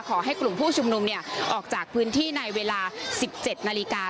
ขอให้กลุ่มผู้ชุมนุมออกจากพื้นที่ในเวลา๑๗นาฬิกา